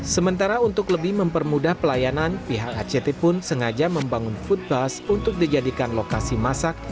sementara untuk lebih mempermudah pelayanan pihak act pun sengaja membangun food bus untuk dijadikan lokasi masak